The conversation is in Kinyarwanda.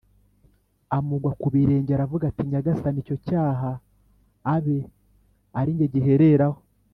Amugwa ku birenge aravuga ati “Nyagasani, icyo cyaha abe ari jye gihereraho.